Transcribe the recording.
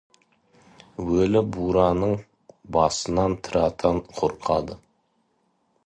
Өлі бураның басынан тірі атан қорқады.